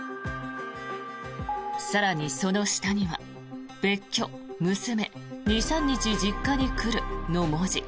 更に、その下には「別居娘２３日実家に来る」の文字。